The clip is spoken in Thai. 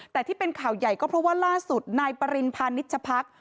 แต่ที่เป็นข่าวใหญ่ก็เพราะว่าล่าสุดนายปริณพานิชพัก